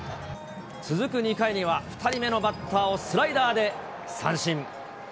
続く２回には、２人目のバッターをスライダーで三振。